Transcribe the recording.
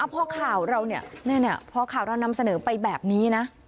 พอข่าวเรานำเสนอไปแบบนี้นะ